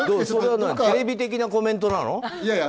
それはテレビ的なコメントなの？